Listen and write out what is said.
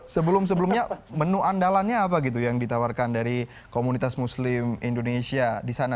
sebelum sebelumnya menu andalannya apa gitu yang ditawarkan dari komunitas muslim indonesia di sana